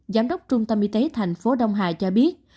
giám đốc trung tâm y tế thành phố đông hà cho biết